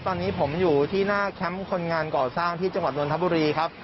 ตอนนี้ผมอยู่ที่หน้าแคมป์คนงานก่อสร้างที่จังหวัดนทบุรีครับ